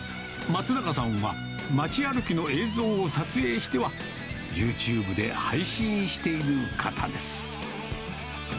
まつながさんは街歩きの映像を撮影してはユーチューブで配信している方です。